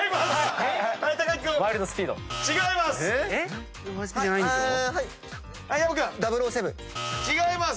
違います。